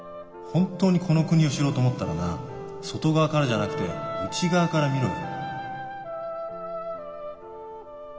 本当にこの国を知ろうと思ったらな外側からじゃなくて内側から見ろよ。